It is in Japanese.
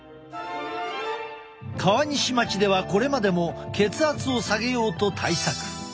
川西町ではこれまでも血圧を下げようと対策。